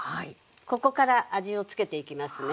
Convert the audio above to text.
ここから味を付けていきますね。